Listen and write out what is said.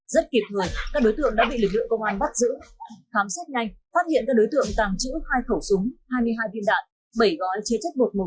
rất kịp thời các đối tượng đã bị lực lượng công an bắt giữ